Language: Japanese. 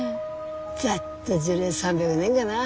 ざっと樹齢３００年がな。